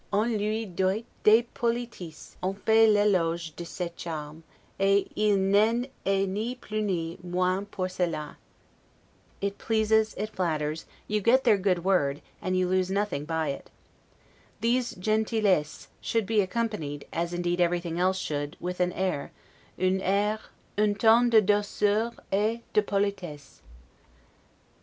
On 'lui doit des politesses, on fait l'eloge de ses charmes, et il n'en est ni plus ni moins pour cela': it pleases, it flatters; you get their good word, and you lose nothing by it. These 'gentillesses' should be accompanied, as indeed everything else should, with an air: 'un air, un ton de douceur et de politesse'.